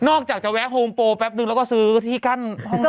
ออกจากจะแวะโฮมโปรแป๊บนึงแล้วก็ซื้อที่กั้น